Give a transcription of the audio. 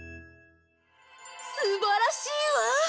すばらしいわ！